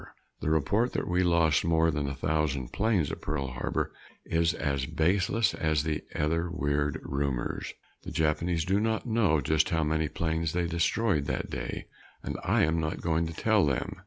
The report that we lost more than a thousand planes at Pearl Harbor is as baseless as the other weird rumors. The Japanese do not know just how many planes they destroyed that day, and I am not going to tell them.